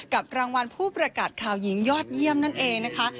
รางวัลผู้ประกาศข่าวหญิงยอดเยี่ยมนั่นเองนะคะ